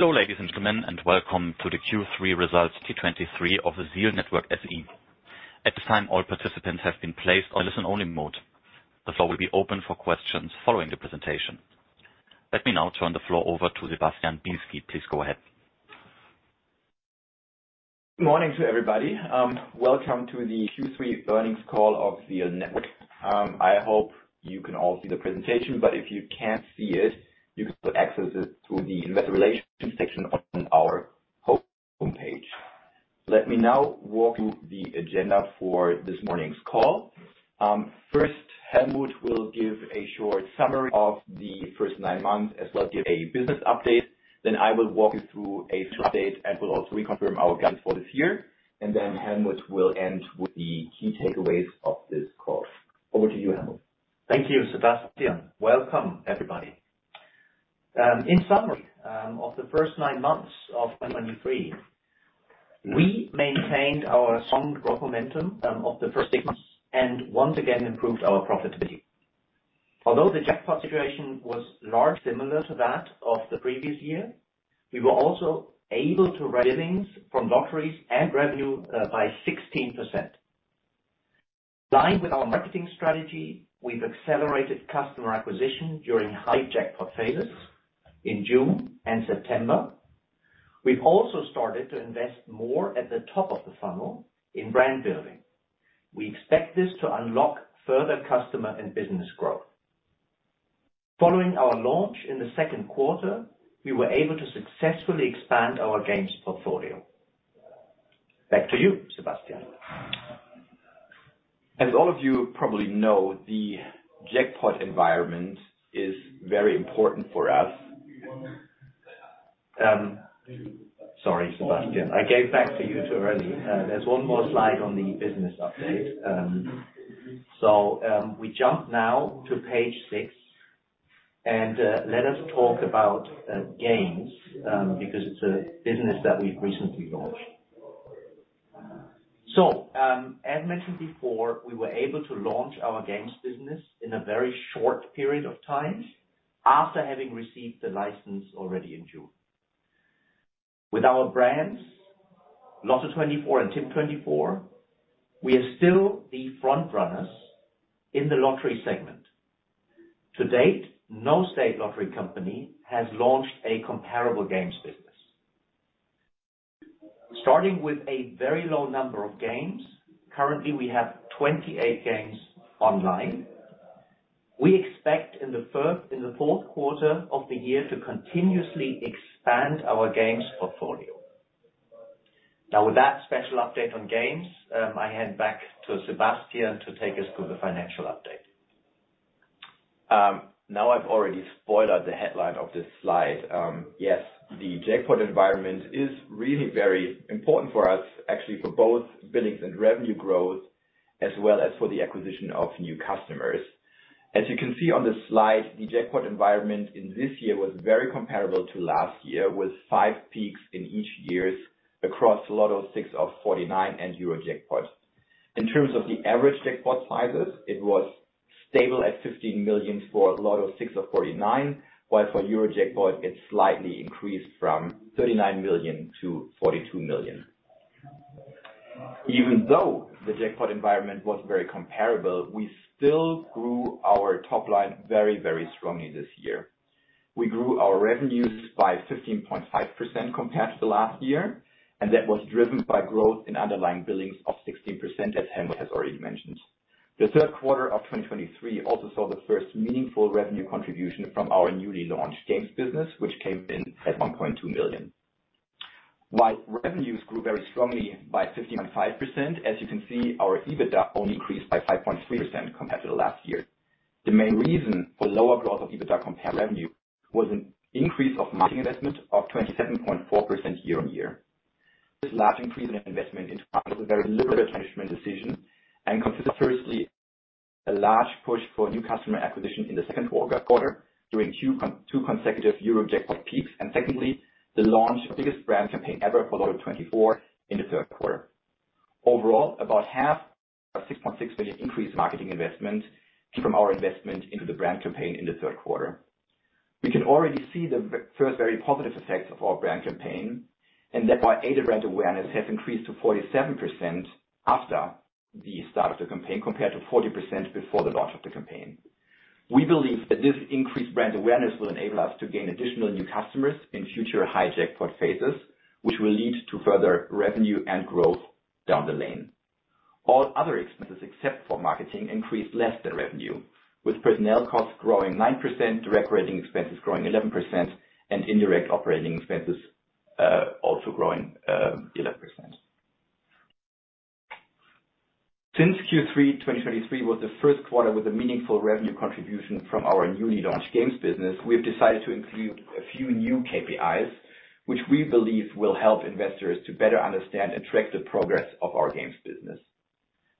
Hello, ladies and gentlemen, and welcome to the Q3 2023 Results of the ZEAL Network SE. At this time, all participants have been placed on listen-only mode. The floor will be open for questions following the presentation. Let me now turn the floor over to Sebastian Bielski. Please go ahead. Good morning to everybody. Welcome to the Q3 Earnings Call of ZEAL Network. I hope you can all see the presentation, but if you can't see it, you can still access it through the investor relations section on our homepage. Let me now walk you through the agenda for this morning's call. First, Helmut will give a short summary of the first nine months, as well as give a business update. Then I will walk you through a update and will also reconfirm our guidance for this year. And then Helmut will end with the key takeaways of this call. Over to you, Helmut. Thank you, Sebastian. Welcome, everybody. In summary, of the first nine months of 2023, we maintained our strong growth momentum of the first six months, and once again, improved our profitability. Although the jackpot situation was largely similar to that of the previous year, we were also able to raise billings from lotteries and revenue by 16%. In line with our marketing strategy, we've accelerated customer acquisition during high jackpot phases in June and September. We've also started to invest more at the top of the funnel in brand building. We expect this to unlock further customer and business growth. Following our launch in the second quarter, we were able to successfully expand our Games portfolio. Back to you, Sebastian. As all of you probably know, the jackpot environment is very important for us. Sorry, Sebastian, I gave back to you too early. There's one more slide on the business update. We jump now to page 6, and let us talk about Games, because it's a business that we've recently launched. As mentioned before, we were able to launch our Games business in a very short period of time after having received the license already in June. With our brands, LOTTO24 and Tipp24, we are still the front runners in the lottery segment. To date, no state lottery company has launched a comparable Games business. Starting with a very low number of games, currently, we have 28 games online. We expect in the fourth quarter of the year to continuously expand our Games portfolio. Now, with that special update on Games, I hand back to Sebastian to take us through the financial update. Now, I've already spoiled the headline of this slide. Yes, the jackpot environment is really very important for us, actually, for both billings and revenue growth, as well as for the acquisition of new customers. As you can see on this slide, the jackpot environment in this year was very comparable to last year, with 5 peaks in each year across Lotto six out of forty-nine and Eurojackpot. In terms of the average jackpot sizes, it was stable at 15 million for Lotto six out of forty-nine, while for Eurojackpot, it slightly increased from 39 million to 42 million. Even though the jackpot environment was very comparable, we still grew our top line very, very strongly this year. We grew our revenues by 15.5% compared to the last year, and that was driven by growth in underlying billings of 16%, as Helmut has already mentioned. The third quarter of 2023 also saw the first meaningful revenue contribution from our newly launched Games business, which came in at 1.2 million. While revenues grew very strongly by 15.5%, as you can see, our EBITDA only increased by 5.3% compared to the last year. The main reason for lower growth of EBITDA compared to revenue was an increase of marketing investment of 27.4% year-on-year. This large increase in investment is part of a very deliberate management decision and consists of, firstly, a large push for new customer acquisition in the second quarter, during two consecutive Eurojackpot peaks, and secondly, the launch of the biggest brand campaign ever for LOTTO24 in the third quarter. Overall, about half of EUR 6.6 million increased marketing investment from our investment into the brand campaign in the third quarter. We can already see the first very positive effects of our brand campaign, and thereby, aided brand awareness has increased to 47% after the start of the campaign, compared to 40% before the launch of the campaign. We believe that this increased brand awareness will enable us to gain additional new customers in future high jackpot phases, which will lead to further revenue and growth down the lane. All other expenses, except for marketing, increased less than revenue, with personnel costs growing 9%, direct operating expenses growing 11%, and indirect operating expenses also growing 11%. Since Q3 2023 was the first quarter with a meaningful revenue contribution from our newly launched Games business, we have decided to include a few new KPIs, which we believe will help investors to better understand and track the progress of our Games business.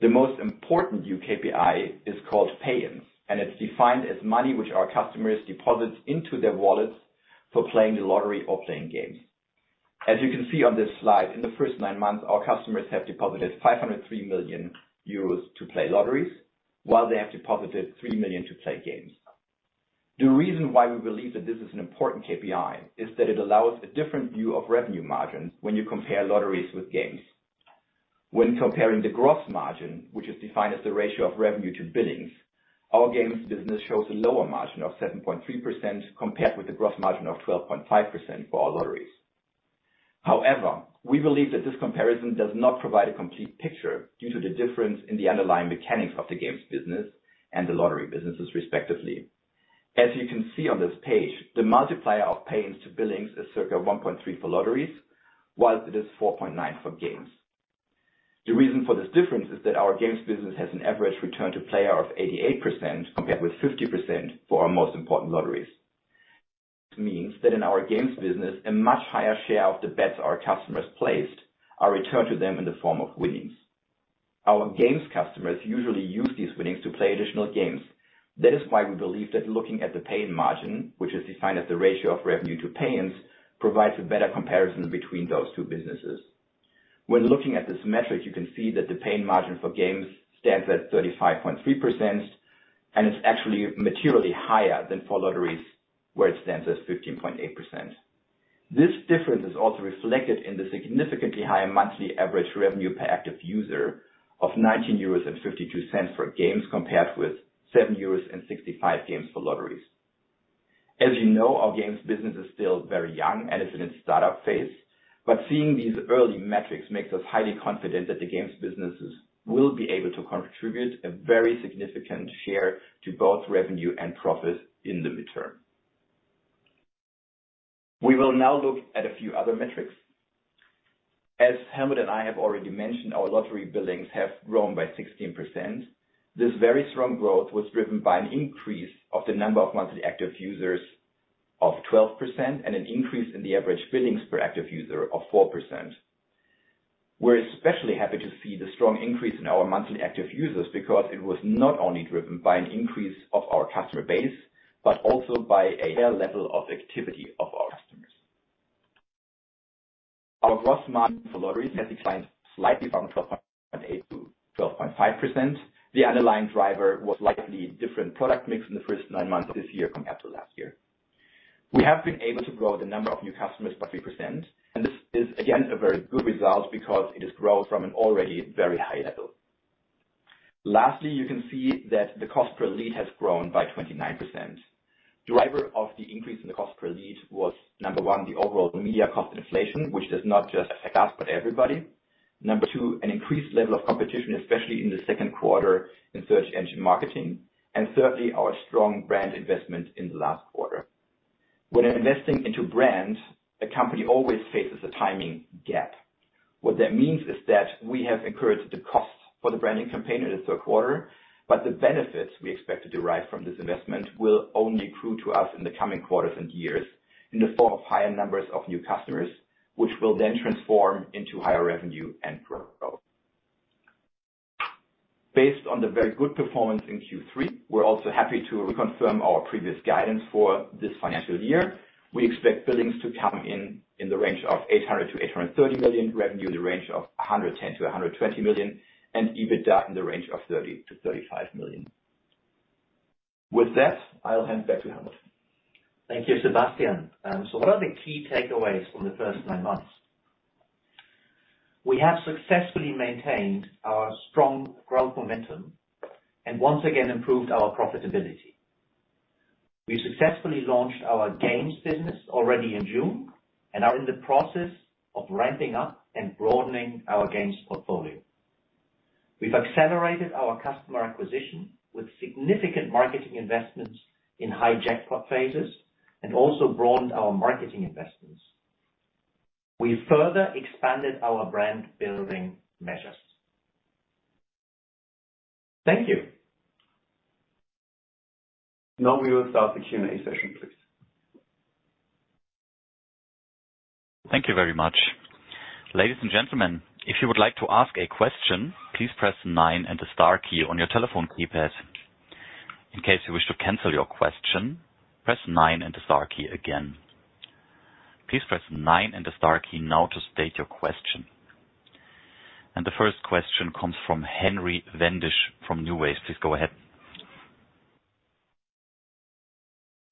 The most important new KPI is called pay-ins, and it's defined as money which our customers deposit into their wallets for playing the lottery or playing games. As you can see on this slide, in the first nine months, our customers have deposited 503 million euros to play lotteries, while they have deposited 3 million to play games. The reason why we believe that this is an important KPI is that it allows a different view of revenue margins when you compare lotteries with games. When comparing the gross margin, which is defined as the ratio of revenue to billings, our games business shows a lower margin of 7.3%, compared with the gross margin of 12.5% for our lotteries. However, we believe that this comparison does not provide a complete picture due to the difference in the underlying mechanics of the games business and the lottery businesses, respectively. As you can see on this page, the multiplier of pay-ins to billings is circa 1.3 for lotteries, whilst it is 4.9 for games. The reason for this difference is that our games business has an average return to player of 88%, compared with 50% for our most important lotteries. This means that in our games business, a much higher share of the bets our customers placed are returned to them in the form of winnings. Our games customers usually use these winnings to play additional games. That is why we believe that looking at the pay-in margin, which is defined as the ratio of revenue to pay-ins, provides a better comparison between those two businesses. When looking at this metric, you can see that the pay-in margin for games stands at 35.3%, and it's actually materially higher than for lotteries, where it stands at 15.8%. This difference is also reflected in the significantly higher monthly average revenue per active user of 19.52 euros for games, compared with 7.65 euros for lotteries. As you know, our games business is still very young and is in its startup phase, but seeing these early metrics makes us highly confident that the games businesses will be able to contribute a very significant share to both revenue and profit in the midterm. We will now look at a few other metrics. As Helmut and I have already mentioned, our lottery billings have grown by 16%. This very strong growth was driven by an increase of the number of monthly active users of 12% and an increase in the average billings per active user of 4%. We're especially happy to see the strong increase in our monthly active users, because it was not only driven by an increase of our customer base, but also by a higher level of activity of our customers. Our gross margin for lotteries has declined slightly from 12.8% to 12.5%. The underlying driver was likely different product mix in the first nine months of this year compared to last year. We have been able to grow the number of new customers by 3%, and this is again, a very good result because it is growth from an already very high level. Lastly, you can see that the cost per lead has grown by 29%. Driver of the increase in the cost per lead was, number one, the overall media cost inflation, which does not just affect us, but everybody. Number two, an increased level of competition, especially in the second quarter in search engine marketing, and certainly our strong brand investment in the last quarter. When investing into brand, a company always faces a timing gap. What that means is that we have incurred the cost for the branding campaign in the third quarter, but the benefits we expect to derive from this investment will only accrue to us in the coming quarters and years in the form of higher numbers of new customers, which will then transform into higher revenue and growth. Based on the very good performance in Q3, we're also happy to reconfirm our previous guidance for this financial year. We expect billings to come in in the range of 800 million-830 million, revenue in the range of 110 million-120 million, and EBITDA in the range of 30 million-35 million. With that, I'll hand back to Helmut. Thank you, Sebastian. So what are the key takeaways from the first nine months? We have successfully maintained our strong growth momentum and once again improved our profitability. We successfully launched our games business already in June and are in the process of ramping up and broadening our games portfolio. We've accelerated our customer acquisition with significant marketing investments in high jackpot phases and also broadened our marketing investments. We further expanded our brand building measures. Thank you. Now we will start the Q&A session, please. Thank you very much. Ladies and gentlemen, if you would like to ask a question, please press nine and the star key on your telephone keypad. In case you wish to cancel your question, press nine and the star key again. Please press nine and the star key now to state your question. The first question comes from Henry Wendisch from NuWays. Please go ahead.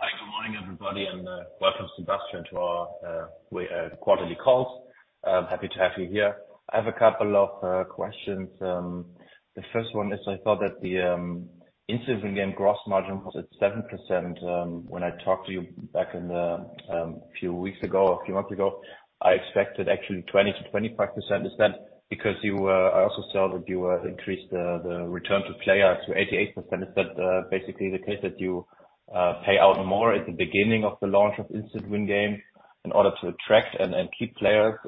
Hi, good morning, everybody, and welcome, Sebastian, to our quarterly calls. Happy to have you here. I have a couple of questions. The first one is, I thought that the instant win game gross margin was at 7%, when I talked to you back in the few weeks ago, or a few months ago, I expected actually 20%-25%. Is that because you, I also saw that you increased the return to player to 88%. Is that basically the case that you pay out more at the beginning of the launch of instant win game in order to attract and keep players,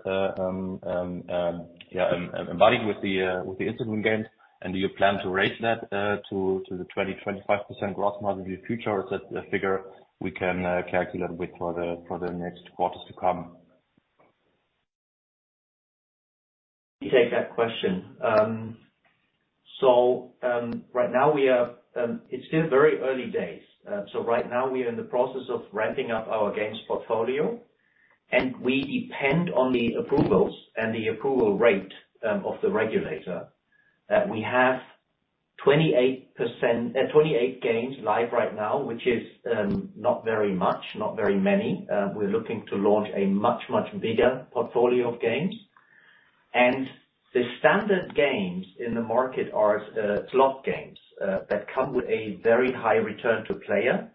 yeah, embodied with the instant win games? Do you plan to raise that to the 25% gross margin in the future, or is that a figure we can calculate with for the next quarters to come?... Take that question. So, right now we are, it's still very early days. So right now we are in the process of ramping up our games portfolio, and we depend on the approvals and the approval rate of the regulator. We have 28%-28 games live right now, which is not very much, not very many. We're looking to launch a much, much bigger portfolio of games. And the standard games in the market are slot games that come with a very high return to player,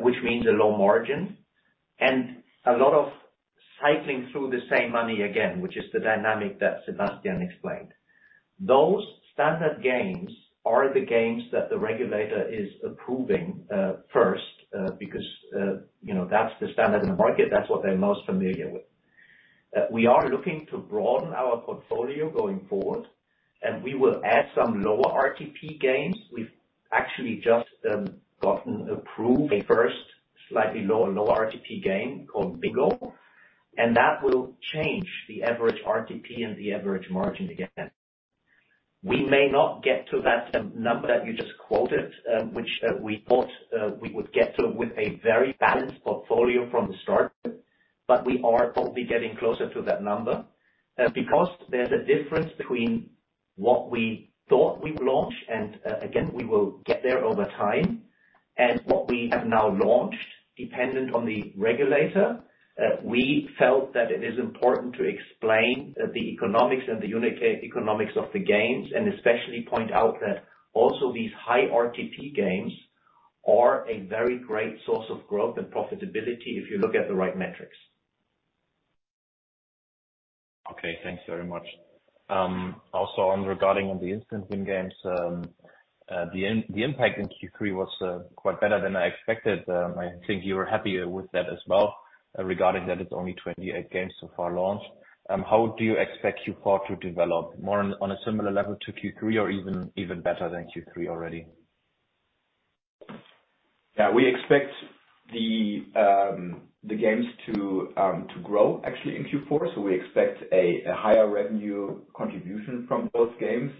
which means a low margin and a lot of cycling through the same money again, which is the dynamic that Sebastian explained. Those standard games are the games that the regulator is approving first, because you know, that's the standard in the market. That's what they're most familiar with. We are looking to broaden our portfolio going forward, and we will add some lower RTP games. We've actually just gotten approved a first slightly lower, lower RTP game called Bingo, and that will change the average RTP and the average margin again. We may not get to that number that you just quoted, which we thought we would get to with a very balanced portfolio from the start, but we are hopefully getting closer to that number. Because there's a difference between what we thought we'd launch, and, again, we will get there over time, and what we have now launched, dependent on the regulator, we felt that it is important to explain the economics and the unit economics of the games, and especially point out that also these high RTP games are a very great source of growth and profitability if you look at the right metrics. Okay, thanks very much. Also regarding the instant win games, the impact in Q3 was quite better than I expected. I think you were happier with that as well, regarding that it's only 28 games so far launched. How do you expect Q4 to develop, more on a similar level to Q3 or even better than Q3 already? Yeah, we expect the games to grow actually in Q4. So we expect a higher revenue contribution from those games,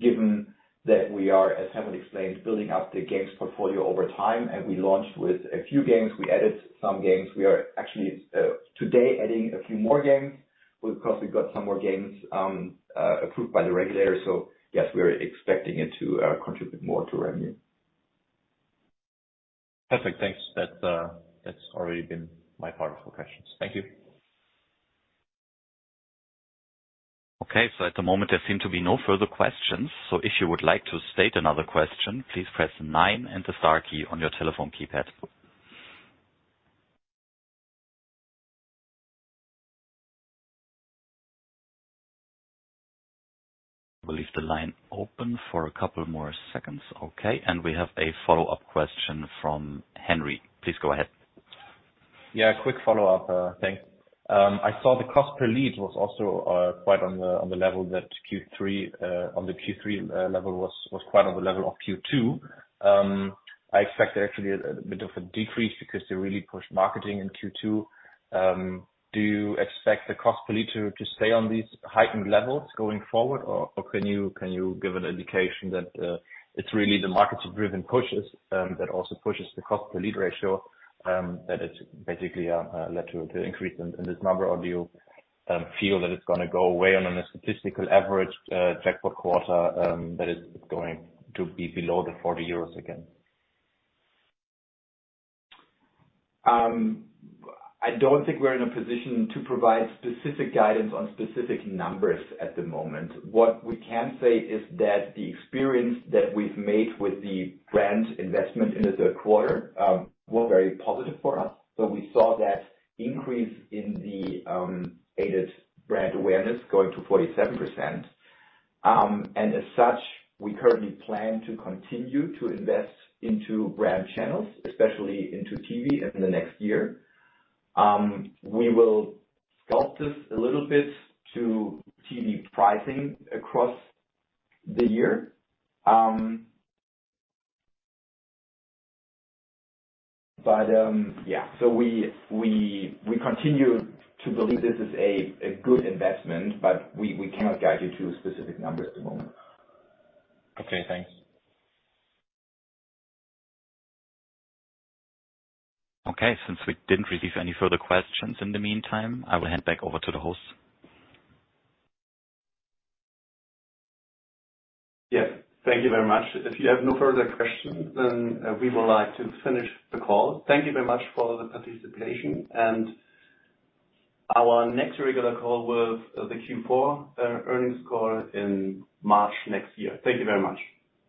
given that we are, as Helmutexplained, building up the games portfolio over time, and we launched with a few games. We added some games. We are actually today adding a few more games because we've got some more games approved by the regulator. So yes, we are expecting it to contribute more to revenue. Perfect, thanks. That, that's already been my part of the questions. Thank you. Okay, so at the moment there seem to be no further questions. So if you would like to state another question, please press nine and the star key on your telephone keypad. We'll leave the line open for a couple more seconds. Okay, and we have a follow-up question from Henry. Please go ahead. Yeah, a quick follow-up, thanks. I saw the cost per lead was also quite on the level that Q3 level was quite on the level of Q2. I expect actually a bit of a decrease because they really pushed marketing in Q2. Do you expect the cost per lead to stay on these heightened levels going forward? Or can you give an indication that it's really the market-driven pushes that also pushes the cost per lead ratio that it's basically led to an increase in this number? Or do you feel that it's gonna go away on a statistical average check per quarter that is going to be below 40 euros again? I don't think we're in a position to provide specific guidance on specific numbers at the moment. What we can say is that the experience that we've made with the brand investment in the third quarter were very positive for us. So we saw that increase in the aided brand awareness going to 47%. And as such, we currently plan to continue to invest into brand channels, especially into TV in the next year. We will sculpt this a little bit to TV pricing across the year. But, yeah. So we continue to believe this is a good investment, but we cannot guide you to specific numbers at the moment. Okay, thanks. Okay, since we didn't receive any further questions in the meantime, I will hand back over to the host. Yes, thank you very much. If you have no further questions, then, we would like to finish the call. Thank you very much for the participation, and our next regular call with the Q4 earnings call in March next year. Thank you very much.